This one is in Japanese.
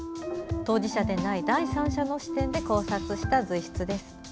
当事者でない第三者の視点で考察した随筆です。